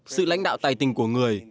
sự lãnh đạo tài tình của người